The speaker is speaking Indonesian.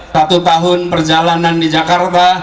satu tahun perjalanan di jakarta